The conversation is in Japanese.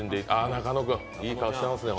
中野君、いい顔してますね。